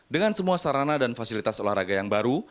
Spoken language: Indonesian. dengan semua sarana dan fasilitas olahraga yang baru